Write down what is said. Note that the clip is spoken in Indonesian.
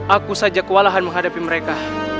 aku saja kewalahan menghadapi mereka